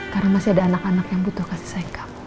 karena masih ada anak anak yang butuh kasih sayang kamu